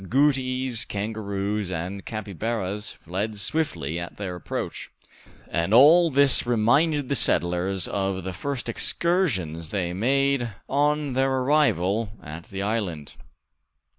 Agouties, kangaroos, and capybaras fled swiftly at their approach; and all this reminded the settlers of the first excursions they had made on their arrival at the island.